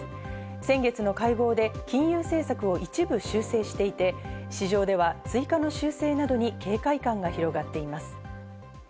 先月の会合で金融政策を一部修正していて、市場では追加の修正などに警戒感が広がっています。